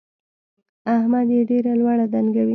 احمد يې ډېره لوړه ډنګوي.